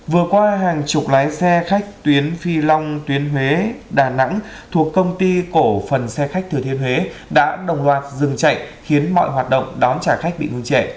vừa qua hàng chục lái xe khách tuyến phi long tuyến huế đà nẵng thuộc công ty cổ phần xe khách thừa thiên huế đã đồng loạt dừng chạy khiến mọi hoạt động đón trả khách bị ngừng trệ